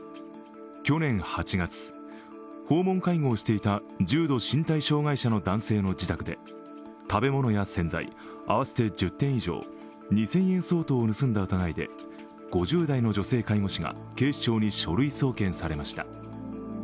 去年８月、訪問介護をしていた重度身体障害者の男性の自宅で食べ物や洗剤、合わせて１０点以上、２０００円相当を盗んだ疑いで５０代の女性介護士が警視庁に書類送検されました。